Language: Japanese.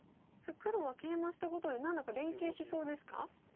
さあ黒はケイマしたことで何だか連係しそうですか上辺の。